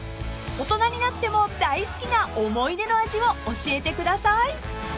［大人になっても大好きな思い出の味を教えてください］